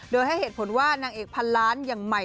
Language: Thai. โดยให้เหตุผลว่านางเอกพันล้านอย่างใหม่